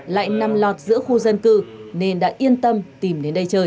lại nằm lọt giữa khu dân cư nên đã yên tâm tìm đến đây chơi